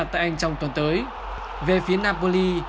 trong tuần tới về phía napoli